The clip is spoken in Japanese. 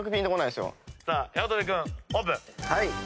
さあ八乙女君オープン。